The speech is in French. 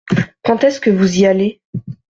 Quand est-ce que vous y allez ?